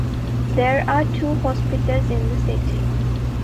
There are two hospitals in the city.